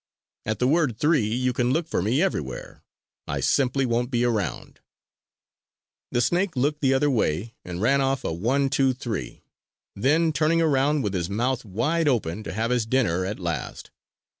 At the word 'three,' you can look for me everywhere! I simply won't be around!" The snake looked the other way and ran off a "onetathree," then turning around with his mouth wide open to have his dinner at last.